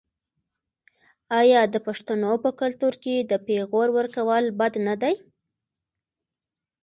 آیا د پښتنو په کلتور کې د پیغور ورکول بد نه دي؟